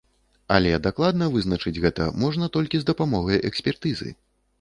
Але дакладна вызначыць гэта можна толькі з дапамогай экспертызы.